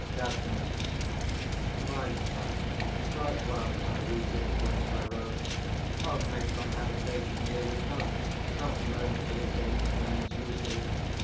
CADMUS. My son, right well Teiresias points thy road. Oh, make thine habitation here with us, Not lonely, against men's uses.